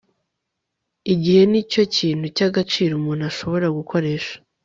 igihe ni cyo kintu cy'agaciro umuntu ashobora gukoresha